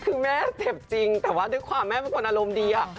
คือแม่เจ็บจริงแต่ว่าด้วยความแม่เป็นคนอารมณ์ดีอะ